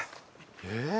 えっ？